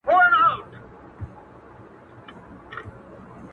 • ډيره ژړا لـــږ خـــنــــــــــدا ـ